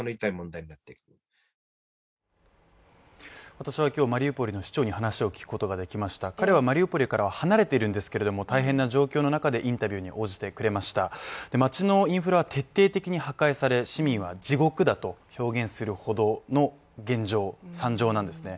私は今日マリウポリの市長に話を聞くことができました彼はマリウポリから離れているんですけれども大変な状況の中でインタビューに応じてくれました街のインフラを徹底的に破壊され市民は地獄だと表現するほどの惨状なんですね。